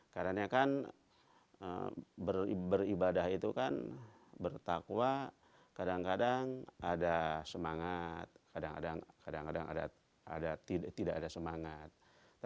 karena kan beribadah itu kan bertakwa kadang kadang ada semangat kadang kadang tidak ada semangat